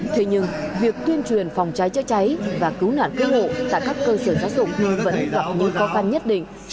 thế nhưng việc tuyên truyền phòng cháy cháy cháy và cứu nạn cơ hội tại các cơ sở giáo dục vẫn gặp những khó khăn nhất định